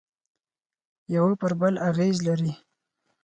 یوه پر بل اغېز لري